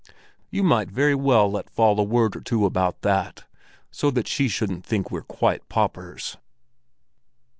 "You might very well let fall a word or two about that, so that she shouldn't think we're quite paupers."